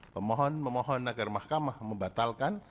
pemohon memohon agar mahkamah membatalkan